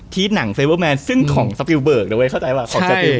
ทีสหนังเฟเวอร์แมนซึ่งของสฟิลเบิร์กเนอะเว้ยเข้าใจป่ะใช่